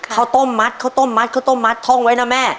ข้าวต้มมัดข้าวต้มมัดข้าวต้มมัดท่องไว้นะแม่